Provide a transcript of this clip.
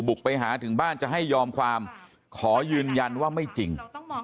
ไปหาถึงบ้านจะให้ยอมความขอยืนยันว่าไม่จริง